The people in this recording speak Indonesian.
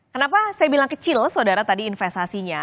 kenapa saya bilang kecil saudara tadi investasinya